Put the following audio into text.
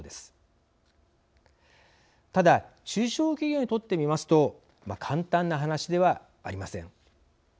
ただ中小企業にとってみますと簡単な話ではありません。